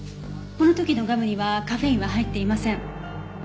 この時のガムにはカフェインは入っていません。